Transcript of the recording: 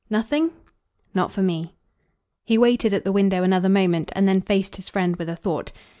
"Nothing?" "Not for me." He waited at the window another moment and then faced his friend with a thought.